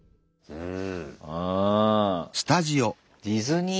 うん。